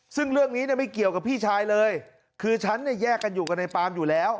ซึ่งเรื่องนี้ไม่เกี่ยวกับพี่ชายเลยคือฉันแยกกันอยู่กับนายปาล์มอยู่แล้ว